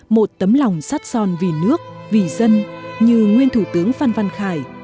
một tấm lòng sát son vì nước vì dân như nguyên thủ tướng phan văn khải